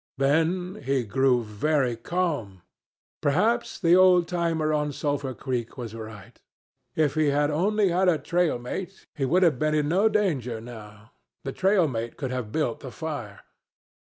Then he grew very calm. Perhaps the old timer on Sulphur Creek was right. If he had only had a trail mate he would have been in no danger now. The trail mate could have built the fire.